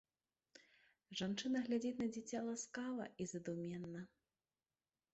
Жанчына глядзіць на дзіця ласкава і задуменна.